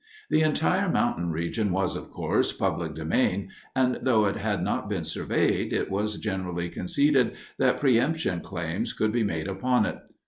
The entire mountain region was, of course, public domain, and, though it had not been surveyed, it was generally conceded that preëmption claims could be made upon it.